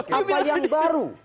apa yang baru